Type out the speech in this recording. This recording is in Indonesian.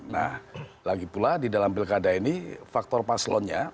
nah lagi pula di dalam pilkada ini faktor paslonnya